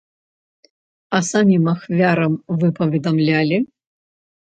А самім ахвярам вы паведамлялі?